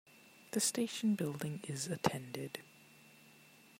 The station building is attended.